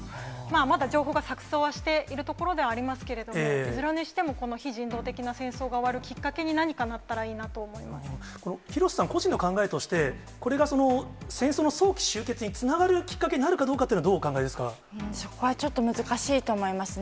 まだ情報が錯そうはしているところではありますけれども、いずれにしても、この非人道的な戦争が終わるきっかけに、何かなったら廣瀬さん個人の考えとして、これがその戦争の早期終結につながるきっかけになるかどうかといそこはちょっと難しいと思いますね。